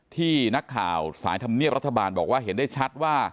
ที่นักข่าวสายธรรมเนียบรัฐบาลบอกว่าเห็นได้ชัดว่า